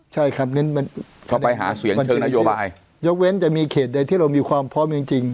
ใช่ครับเน้นเข้าไปหาเสียงมันคือนโยบายยกเว้นจะมีเขตใดที่เรามีความพร้อมจริง